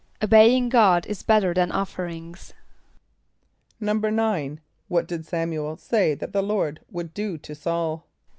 ="Obeying God is better than offerings."= =9.= What did S[)a]m´u el say that the Lord would do to S[a:]ul?